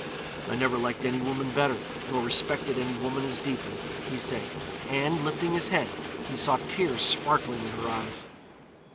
"I never liked any woman better, nor respected any woman as deeply," he said. And, lifting his head, he saw tears sparkling in her eyes.